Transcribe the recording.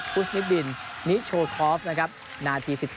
พุสมิดดินนิชโชครอฟนาที๑๔